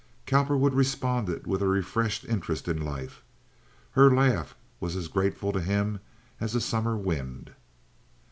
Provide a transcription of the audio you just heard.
Cowperwood responded with a refreshed interest in life. Her laugh was as grateful to him as a summer wind.